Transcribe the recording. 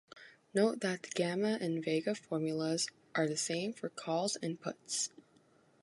Note that the gamma and vega formulas are the same for calls and puts.